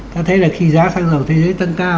ta thấy là khi giá xăng dầu thế giới tăng cao